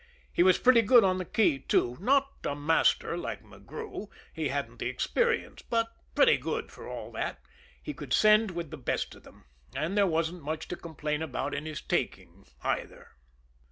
He was pretty good on the key, too; not a master like McGrew, he hadn't had the experience, but pretty good for all that he could "send" with the best of them, and there wasn't much to complain about in his "taking," either.